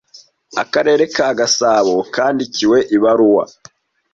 Akarere ka Gasabo kandikiwe ibaruwa